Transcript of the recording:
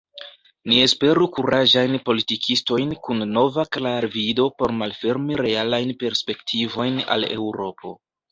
Ni esperu kuraĝajn politikistojn kun nova klarvido por malfermi realajn perspektivojn al Eŭropo.